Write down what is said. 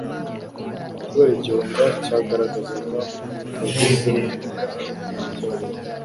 Kubera igihunga cyagaragaraga mu bagize umuryango